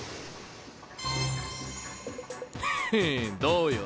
フフどうよ。